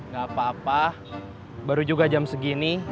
gak apa apa baru juga jam segini